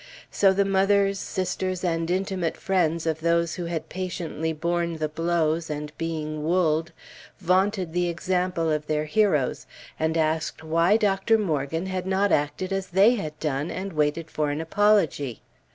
So the mothers, sisters, and intimate friends of those who had patiently borne the blows, and being "woolled," vaunted the example of their heroes, and asked why Dr. Morgan had not acted as they had done, and waited for an apology?